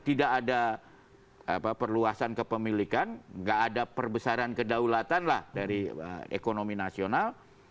tidak ada perluasan kepemilikan nggak ada perbesaran kedaulatan lah dari ekonomi nasional